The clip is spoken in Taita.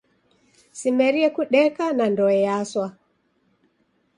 Simerie kudeka na ndoe yaswa!